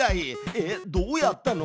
えっどうやったの？